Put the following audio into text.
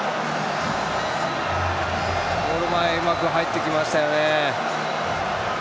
ゴール前うまく入ってきましたよね。